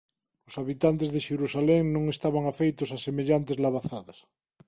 Os habitantes de Xerusalén non estaban afeitos a semellantes labazadas.